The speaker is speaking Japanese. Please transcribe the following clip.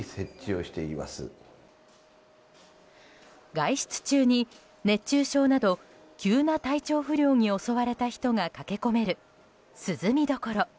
外出中に熱中症など急な体調不良に襲われた人が駆け込める涼み処。